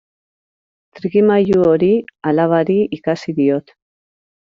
Trikimailu hori alabari ikasi diot.